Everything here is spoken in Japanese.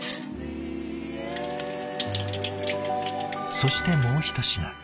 そしてもうひと品。